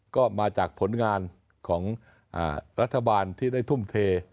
ก็มาจากผลงานของรัฐบาลที่ได้ทุ่มเท